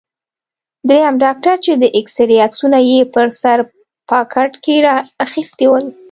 دریم ډاکټر چې د اېکسرې عکسونه یې په سر پاکټ کې را اخیستي ول.